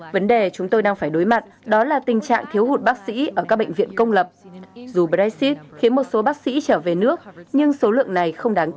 vấn đề chúng tôi đang phải đối mặt đó là tình trạng thiếu hụt bác sĩ ở các bệnh viện công lập dù brexit khiến một số bác sĩ trở về nước nhưng số lượng này không đáng kể